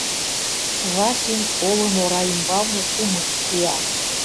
Васин олым ора ӱмбалне кумык кия.